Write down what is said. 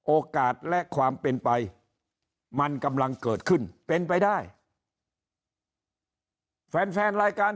โอกาสและความเป็นไปมันกำลังเกิดขึ้นเป็นไปได้แฟนแฟนรายการ